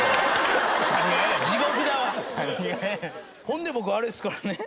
ほんで僕あれですからね。